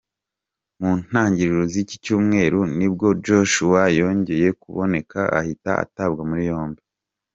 Mu ntangiriro z’iki Cyumweru nibwo Joshua yongeye kuboneka ahita atabwa muri yombi.